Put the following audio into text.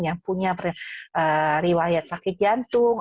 yang punya riwayat sakit jantung